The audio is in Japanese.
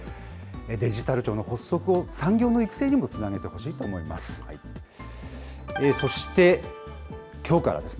デジタル庁の発足を産業の育成にもつなげてほしいと思います。